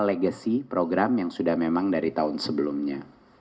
legacy program yang sudah memang dari tahun sebelumnya